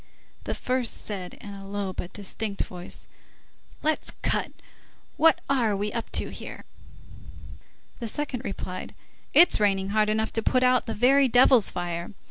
The first said in a low but distinct voice:— "Let's cut. What are we up to here?" The second replied: "It's raining hard enough to put out the very devil's fire.